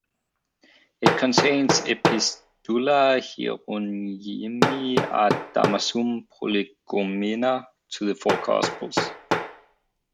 It contains Epistula Hieronymi ad Damasum, Prolegomena to the four Gospels.